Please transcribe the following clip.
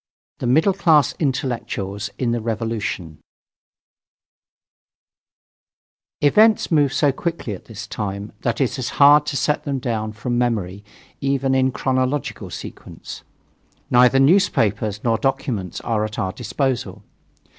THE MIDDLE CLASS INTELLECTUALS IN THE REVOLUTION Events move so quickly at this time, that it is hard to set them down from memory even in chronological sequence. Neither newspapers nor documents are at our disposal.